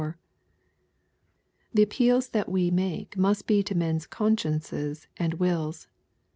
The appeals that we make must be to men's consciences and wills.